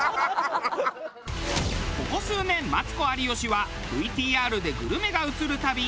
ここ数年マツコ有吉はＶＴＲでグルメが映るたび